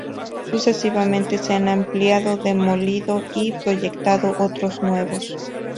Sucesivamente se han ampliado, demolido y proyectado otros nuevos.